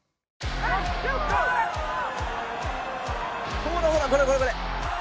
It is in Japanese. ほらほらこれこれこれ。